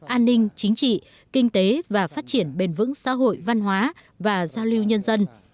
an ninh chính trị kinh tế và phát triển bền vững xã hội văn hóa và giao lưu nhân dân